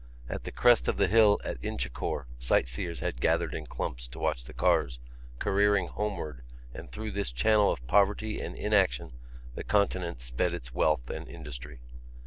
At the crest of the hill at Inchicore sightseers had gathered in clumps to watch the cars careering homeward and through this channel of poverty and inaction the Continent sped its wealth and industry.